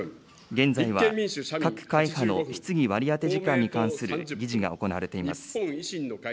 現在は各会派の質疑割り当て時間に関する議事が行われています。